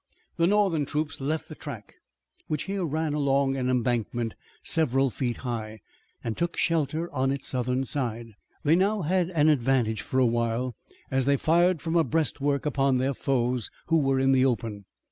The Northern troops left the track which here ran along an embankment several feet high, and took shelter on its southern side. They now had an advantage for a while, as they fired from a breastwork upon their foes, who were in the open.